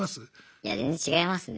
いや全然違いますね。